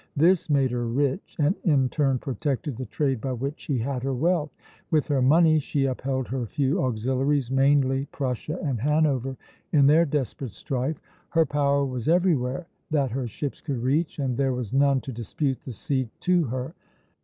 This made her rich, and in turn protected the trade by which she had her wealth. With her money she upheld her few auxiliaries, mainly Prussia and Hanover, in their desperate strife. Her power was everywhere that her ships could reach, and there was none to dispute the sea to her.